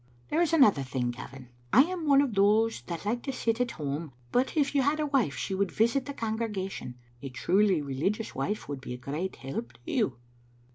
There is another thing, Gavin. I am one of those that like to sit at home, but if you had a wife she would visit the congregation. A truly religious wife would be a great help to you."